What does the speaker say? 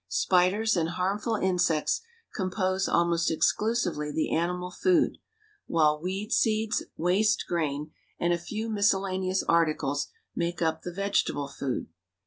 Spiders and harmful insects compose almost exclusively the animal food, while weed seeds, waste grain, and a few miscellaneous articles make up the vegetable food.